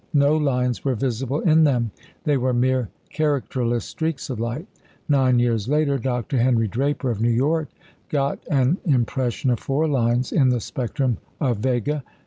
No lines were visible in them. They were mere characterless streaks of light. Nine years later Dr. Henry Draper of New York got an impression of four lines in the spectrum of Vega.